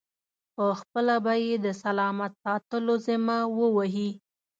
پخپله به یې د سلامت ساتلو ذمه و وهي.